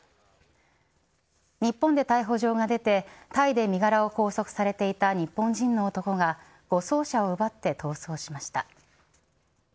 日本で逮捕状が出てタイで身柄を拘束されていた日本人の男が護送車を奪って逃走しました。